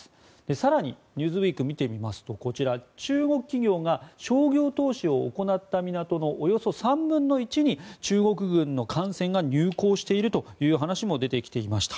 更に、「ニューズウィーク」を見てみますと中国企業が商業投資を行った港のおよそ３分の１に中国軍の艦船が入港しているという話も出てきました。